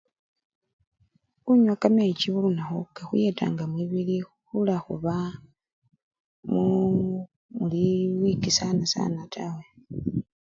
Khunywa kamechi buli lunakhu kakhuyetanga mwibili khula khuba muuu! muli wikii sana sana tawe.